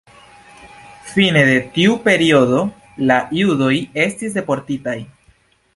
Fine de tiu periodo la judoj estis deportitaj.